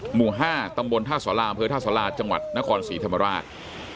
หมู่๕ตำบลท่าสาราอำเภอท่าสาราจังหวัดนครศรีธรรมราช